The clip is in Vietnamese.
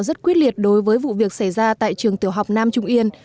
rất quyết liệt đối với vụ việc xảy ra tại trường tiểu học nam trung yên